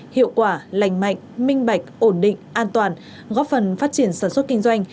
hiệu quả lành mạnh minh bạch ổn định an toàn góp phần phát triển sản xuất kinh doanh